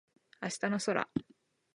明日の空